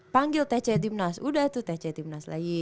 panggil tc timnas udah tuh tc timnas lagi